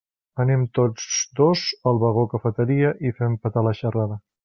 Anem tots dos al vagó cafeteria i fem petar la xerrada.